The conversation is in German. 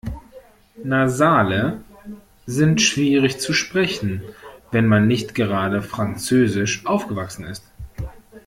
Nasale sind schwierig zu sprechen, wenn man nicht gerade französisch aufgewachsen ist.